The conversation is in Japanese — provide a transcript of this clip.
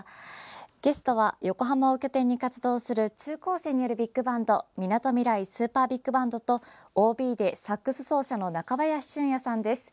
ゲストは、横浜を拠点に活動する中高生によるビッグバンドみなとみらいＳｕｐｅｒＢｉｇＢａｎｄとＯＢでサックス奏者の中林俊也さんです。